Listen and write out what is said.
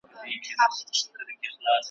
سمدستي سوله مېړه ته لاس ترغاړه ,